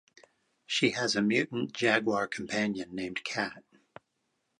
She has a mutant jaguar companion named Cat.